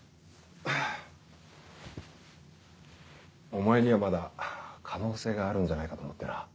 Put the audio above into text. お前にはまだ可能性があるんじゃないかと思ってな。